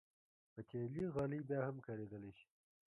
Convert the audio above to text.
پتېلي غالۍ بیا هم کارېدلی شي.